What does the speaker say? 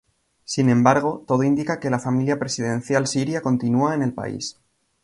Sin embargo, todo indica que la familia presidencial siria continúa en el país.